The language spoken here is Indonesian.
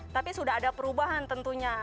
tapi sudah ada perubahan tentunya